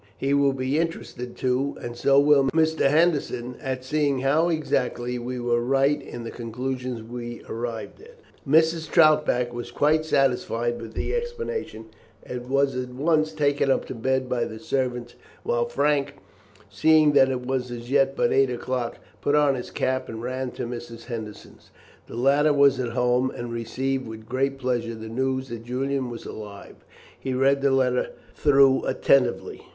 He will be interested, too, and so will Mr. Henderson, at seeing how exactly we were right in the conclusions we arrived at." Mrs. Troutbeck was quite satisfied with the explanation, and was at once taken up to bed by the servant, while Frank, seeing that it was as yet but eight o'clock, put on his cap and ran to Mr. Henderson's. The latter was at home, and received with great pleasure the news that Julian was alive. He read the letter through attentively.